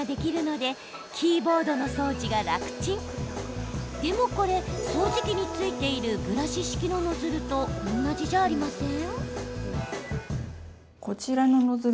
でもこれ、掃除機に付いているブラシ式のノズルと同じじゃありません？